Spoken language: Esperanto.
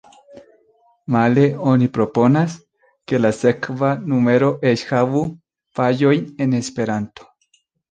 Male oni proponas, ke la sekva numero eĉ havu paĝojn en Esperanto.